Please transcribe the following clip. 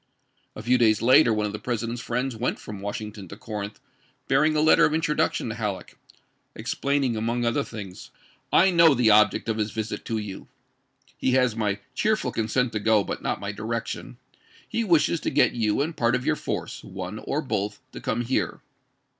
" A few days later one of the President's friends went from Washing ton to Corinth bearing a letter of introduction to Halleck, explaining among other things :" I know the object of his visit to you. He has my cheerful consent to go, but not my direction. He wishes to get you and part of your force, one or both, to come here.